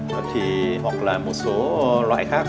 hoặc là một số loại khác